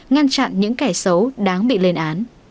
ngăn chặn những kẻ xấu đáng bị lên án